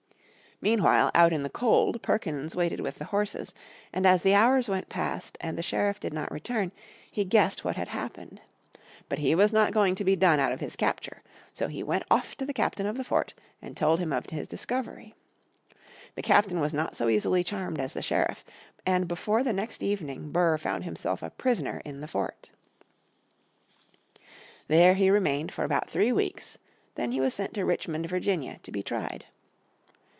Meanwhile out in the cold Perkins waited with the horses, and as the hours went past and the sheriff did not return he guessed what had happened. But he was not going to be done out of his capture. So he went off to the captain of the fort, and told him of his discovery. The captain was not so easily charmed as the sheriff, and before the next evening Burr found himself a prisoner in the fort. There he remained for about three weeks; then he was sent to Richmond, Virginia, to be tried.